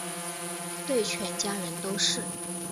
对全家人都是